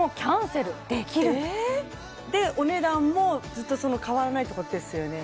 でお値段もずっと変わらないってことですよね？